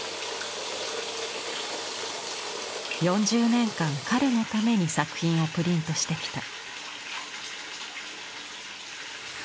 ４０年間彼のために作品をプリントしてきた。